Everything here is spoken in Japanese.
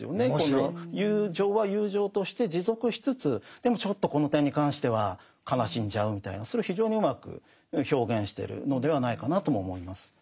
友情は友情として持続しつつでもちょっとこの点に関しては悲しんじゃうみたいなそれを非常にうまく表現してるのではないかなとも思います。